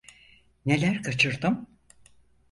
Neler kaçırdım?